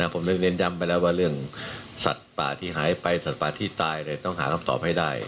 ผมได้เน้นย้ำไปแล้วว่าเรื่องสัตว์ป่าที่หายไปสัตว์ป่าที่ตายต้องหาคำตอบให้ได้